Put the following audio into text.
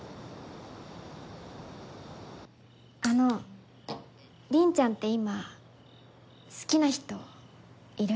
あの凛ちゃんって今好きな人いる？